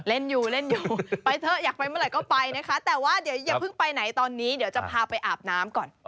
เล่นอยู่เล่นอยู่ไปเถอะอยากไปเมื่อไหร่ก็ไปนะคะแต่ว่าเดี๋ยวอย่าเพิ่งไปไหนตอนนี้เดี๋ยวจะพาไปอาบน้ำก่อน